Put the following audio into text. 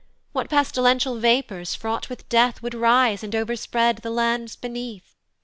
What pestilential vapours, fraught with death, Would rise, and overspread the lands beneath?